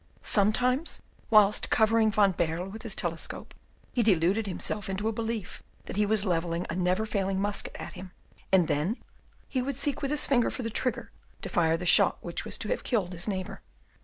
Sometimes, whilst covering Van Baerle with his telescope, he deluded himself into a belief that he was levelling a never failing musket at him; and then he would seek with his finger for the trigger to fire the shot which was to have killed his neighbour.